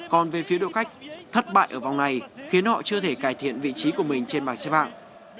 còn về phía đội khách thất bại ở vòng này khiến họ chưa thể cải thiện vị trí của mình trên bàn xe vạng